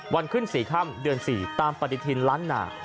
วันขึ้น๔ค่ำเดือน๔ตามปฏิทินล้านนา